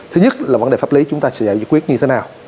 thứ nhất là vấn đề pháp lý chúng ta sẽ giải quyết như thế nào